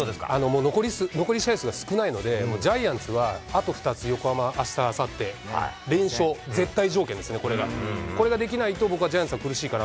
もう残り試合数が少ないので、もうジャイアンツはあと２つ横浜、あした、あさって、連勝、絶対条件ですね、これが、これができないと僕はジャイアンツは苦しいか